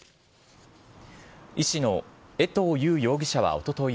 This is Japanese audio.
医師の衛藤悠容疑者はおととい